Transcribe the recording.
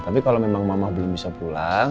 tapi kalau memang mamah belum bisa pulang